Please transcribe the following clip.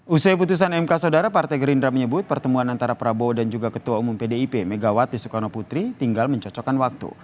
usai putusan mk saudara partai gerindra menyebut pertemuan antara prabowo dan juga ketua umum pdip megawati soekarno putri tinggal mencocokkan waktu